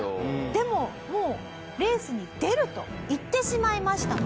でももう「レースに出る」と言ってしまいましたので。